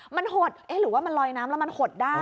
มันหดเอ๊ะหรือว่ามันลอยน้ำแล้วมันหดได้